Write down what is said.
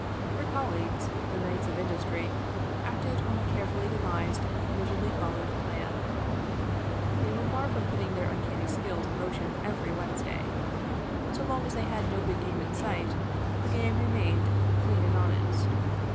Her colleagues, the Knights of Industry, acted on a care fully devised and rigidly followed plan. They were far from putting their uncanny skill in motion every Wednes day. So long as they had no big game in sight, the game remained clean and honest.